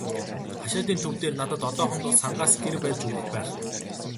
Хашаатын төв дээр надад одоохондоо сангаас гэр барьж өгөх байх.